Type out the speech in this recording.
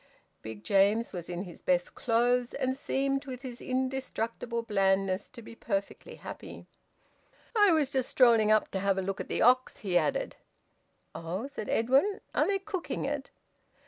Big James was in his best clothes, and seemed, with his indestructible blandness, to be perfectly happy. "I was just strolling up to have a look at the ox," he added. "Oh!" said Edwin. "Are they cooking it?"